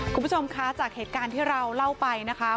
คุณผู้ชมคะจากเหตุการณ์ที่เราเล่าไปนะคะ